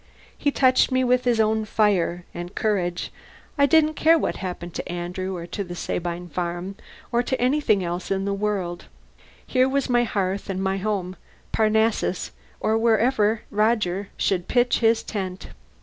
He had touched me with his own fire and courage. I didn't care what happened to Andrew, or to Sabine Farm, or to anything else in the world. Here were my hearth and my home Parnassus, or wherever Roger should pitch his tent.